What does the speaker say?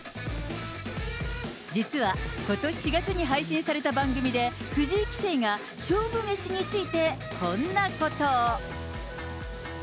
実は、ことし４月に配信された番組で、藤井棋聖が勝負メシについてこんなことを。